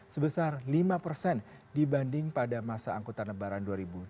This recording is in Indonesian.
sebesar lima persen dibanding pada masa angkutan lebaran dua ribu delapan belas